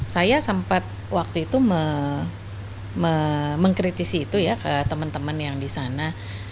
saya sempat waktu itu mengkritisi itu ya ke teman teman yang di sana